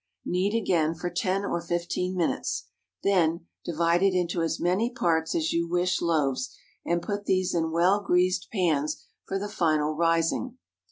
Knead again for ten or fifteen minutes. Then, divide it into as many parts as you wish loaves, and put these in well greased pans for the final rising.